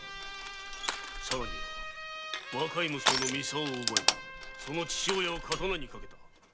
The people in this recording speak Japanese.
さらには若い娘の操を奪いその父親を刀にかけた。